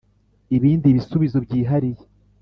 ibindi bisubizo byihariye.